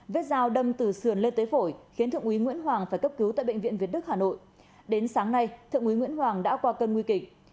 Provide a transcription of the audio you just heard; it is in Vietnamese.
vết dao đâm từ sườn lên tới phổi khiến thượng quý nguyễn hoàng phải cấp cứu tại bệnh viện việt đức hà nội đến sáng nay thượng quý nguyễn hoàng đã qua cân nguy kịch